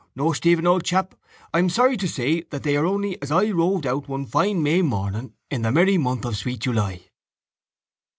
No, Stephen, old chap, I'm sorry to say that they are only as I roved out one fine May morning in the merry month of sweet July.